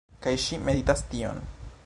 Kaj ŝi meditas tion